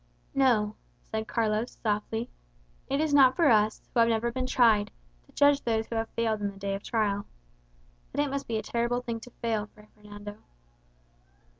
"No," said Carlos, softly. "It is not for us, who have never been tried, to judge those who have failed in the day of trial. But it must be a terrible thing to fail, Fray Fernando."